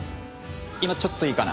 今ちょっといいかな？